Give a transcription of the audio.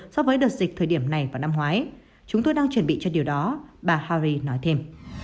so với đợt dịch thời điểm này vào năm ngoái chúng tôi đang chuẩn bị cho điều đó bà hari nói thêm